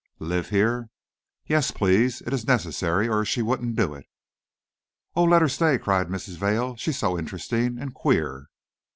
"Live here?" "Yes, please. It is necessary, or she wouldn't do it." "Oh, let her stay!" cried Mrs. Vail; "she's so interesting and queer!"